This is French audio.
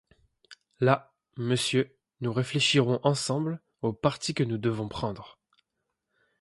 Là, monsieur, nous réfléchirons ensemble au parti que nous devons prendre.